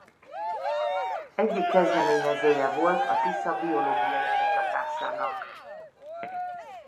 Egyik kezdeményezője volt a Tisza biológiai kutatásának.